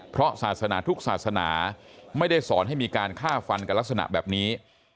เพราะศาสนาทุกศาสนาไม่ได้สอนให้มีการฆ่าฟันกันลักษณะแบบนี้